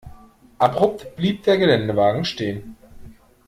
Abrupt blieb der Geländewagen stehen.